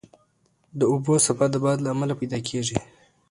د اوبو څپه د باد له امله پیدا کېږي.